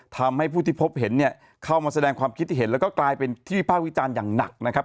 ทำให้ผู้ที่พบเห็นเนี่ยเข้ามาแสดงความคิดเห็นแล้วก็กลายเป็นที่ภาควิจารณ์อย่างหนักนะครับ